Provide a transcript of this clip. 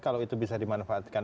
kalau itu bisa dimanfaatkan